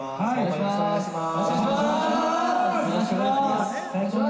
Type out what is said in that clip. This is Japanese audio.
よろしくお願いします！